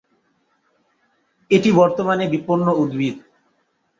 এটি বর্তমানে বিপন্ন উদ্ভিদ।